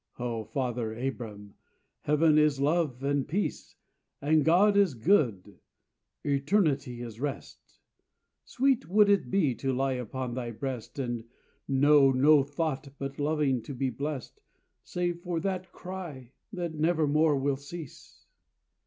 O Father Abram, heaven is love and peace, And God is good; eternity is rest. Sweet would it be to lie upon thy breast And know no thought but loving to be blest Save for that cry that nevermore will cease.